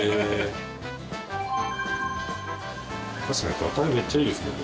確かにガタイめっちゃいいですもんね。